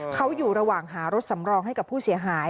เขาอยู่ระหว่างหารถสำรองให้กับผู้เสียหาย